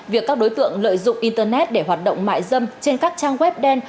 việc các đối tượng lợi dụng internet để hoạt động mại dâm trên các trang web đen